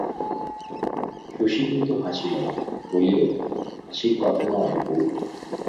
শশী কিন্তু হাসিল না, বলিল, হাসির কথা নয় বৌ।